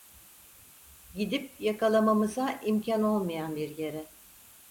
Gidip yakalamamıza imkan olmayan bir yere…